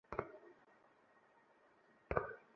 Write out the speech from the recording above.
কেভটের নৌকায় যেহেতু উঠেই পড়েছ, তখন পাড়ে পৌঁছেই দিবো।